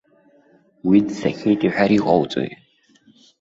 Уи дцахьеит иҳәар иҟоуҵои?